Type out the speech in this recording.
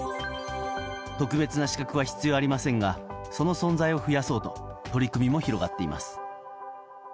特別な資格は必要ありませんがその存在を増やそうと取り組みも広がっています。